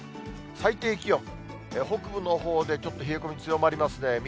最低気温、北部のほうでちょっと冷え込み強まりますね。